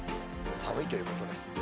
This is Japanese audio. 寒いということです。